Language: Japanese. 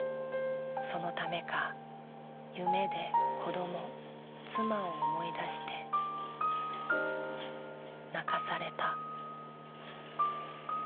「そのためか夢で子ども妻を思い出して泣かされた」